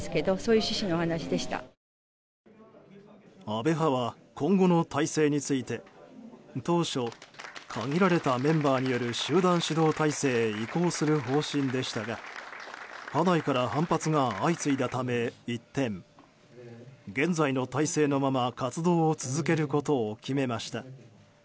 安倍派は今後の体制について当初、限られたメンバーによる集団指導体制へ移行する方針でしたが派内から反発が相次いだため一転、現在の体制のまま活動を続けることを決めました。